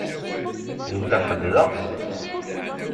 Yella ḥedd da?